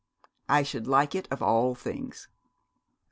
'I should like it of all things.'